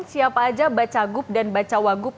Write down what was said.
siapa saja bacagub dan bacawagub